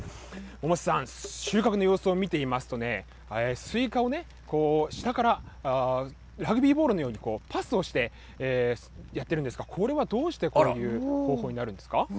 百瀬さん、収穫の様子を見ていますとね、スイカを下からラグビーボールのようにパスをしてやってるんですが、これはどうしてこういう方法になるんですか。